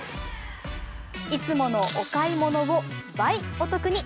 いつものお買い物を倍お得に。